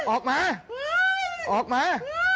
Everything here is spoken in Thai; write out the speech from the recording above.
ออกมาออกมา